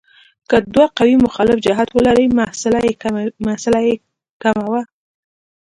که دوه قوې مخالف جهت ولري محصله یې کموو.